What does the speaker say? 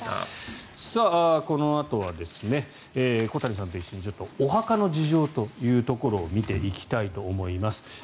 このあとは小谷さんと一緒にお墓の事情というところを見ていきたいと思います。